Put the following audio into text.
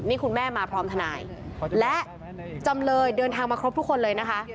นี่คุณแม่มาพร้อมทนายและจำเลยเดินทางมาครบทุกคนเลยนะคะ